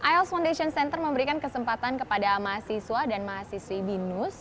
ios foundation center memberikan kesempatan kepada mahasiswa dan mahasiswi binus